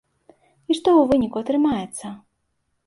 І што ў выніку атрымаецца?